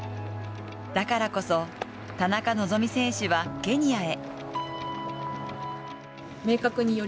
だからこそ田中希実選手はケニアへ。